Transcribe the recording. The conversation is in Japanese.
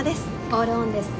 オールオンです。